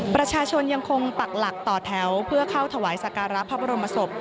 ประชาชนยังคงปักหลักต่อแถวเพื่อเข้าถวายสการะพระบรมศพ